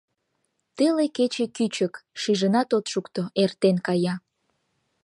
Теле кече кӱчык, шижынат от шукто эртен кая.